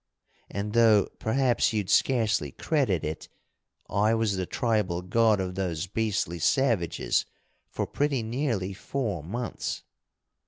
And, though perhaps you'd scarcely credit it, I was the tribal god of those beastly savages for pretty nearly four months....